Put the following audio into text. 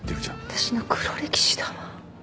私の黒歴史だわ。